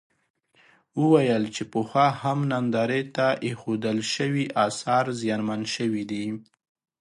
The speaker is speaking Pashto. وویل چې پخوا هم نندارې ته اېښودل شوي اثار زیانمن شوي دي.